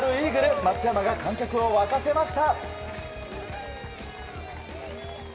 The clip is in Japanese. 松山が観客を沸かせました。